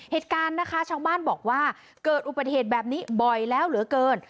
เหตุการณ์นะคะชาวบ้านบอกว่าเกิดอุบัติเหตุแบบนี้บ่อยแล้วเหลือเกิน